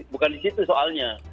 bukan di situ soalnya